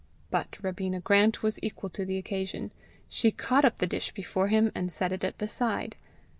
But Robina Grant was equal to the occasion. She caught up the dish before him, and set it at the side.